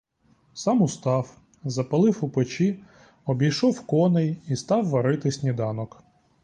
Сам устав, запалив у печі, обійшов коней і став варити сніданок.